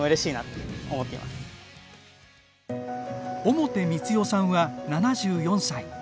表光代さんは７４歳。